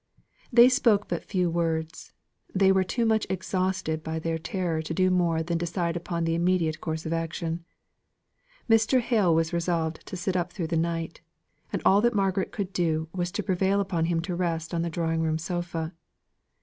They spoke but few words; they were too much exhausted by their terror to do more than decide upon the immediate course of action. Mr. Hale was resolved to sit up through the night, and all that Margaret could do was to prevail upon him to rest on the drawing room sofa.